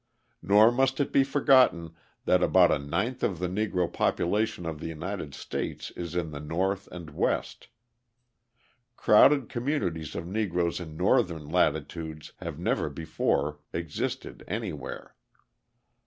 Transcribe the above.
Nor must it be forgotten that about a ninth of the Negro population of the United States is in the North and West. Crowded communities of Negroes in Northern latitudes have never before existed anywhere.